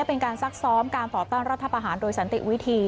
เป็นการซักซ้อมการต่อต้านรัฐประหารโดยสันติวิธี